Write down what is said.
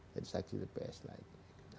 jadi saksi di tps lah